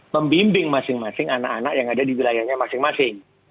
membimbing masing masing anak anak yang ada di wilayahnya masing masing